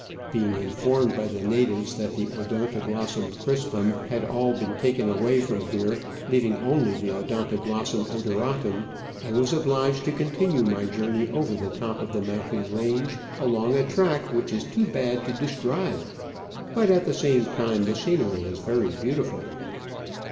Being informed by the natives that the Odontoglossum crispum had all been taken away from here, leaving only the Odontoglossum odoratum^ I was obliged to continue my journey over the top of the mountain range, along a track which is too bad to describe, but, at the same time, the scenery is very beautiful.